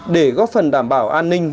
để góp phần đảm bảo an ninh